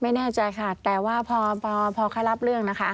ไม่แน่ใจค่ะแต่ว่าพอเขารับเรื่องนะคะ